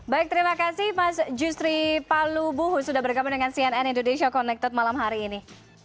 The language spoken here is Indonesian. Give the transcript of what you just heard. baik terima kasih mas justri palu buhu sudah bergabung dengan cnn indonesia connected malam hari ini